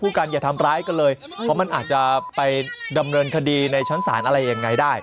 กันอย่าทำร้ายกันเลยเพราะมันอาจจะไปดำเนินคดีในชั้นศาลอะไรยังไงได้